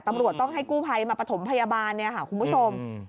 ตำรวจต้องให้กู้ภัยมาประถมพยาบาลเนี่ยค่ะคุณผู้ชม